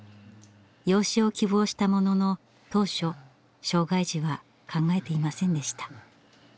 養子を希望したものの当初障害児は考えていませんでした。